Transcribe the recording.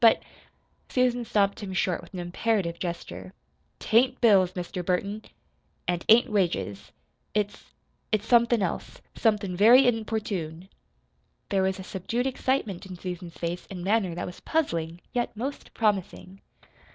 But " Susan stopped him short with an imperative gesture. "T ain't bills, Mr. Burton, an't ain't wages. It's it's somethin' else. Somethin' very importune." There was a subdued excitement in Susan's face and manner that was puzzling, yet most promising.